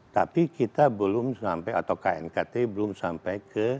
tapi kita belum sampai atau knkt belum sampai ke